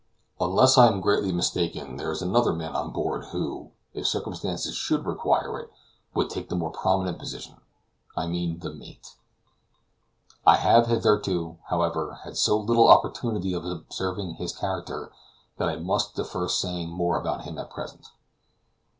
Unless I am greatly mistaken there is another man on board who, if circumstances should require it, would take the more prominent position I mean the mate. I have hitherto, however, had so little opportunity of observing his character, that I must defer saying more about him at present.